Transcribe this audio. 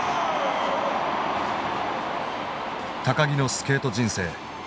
木のスケート人生。